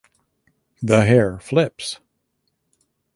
The hair flips!